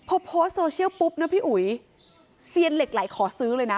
พอโพสต์โซเชียลปุ๊บนะพี่อุ๋ยเซียนเหล็กไหลขอซื้อเลยนะ